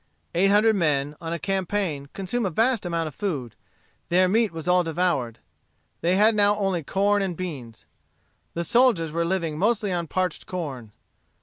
Eight hundred men, on a campaign, consume a vast amount of food. Their meat was all devoured. They had now only corn and beans. The soldiers were living mostly on parched corn.